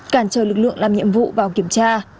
cản trở lực lượng làm nhiệm vụ vào kiểm tra